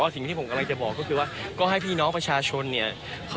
ว่าเราเนี่ยมาเรียกร้องในเรื่องใดนะครับ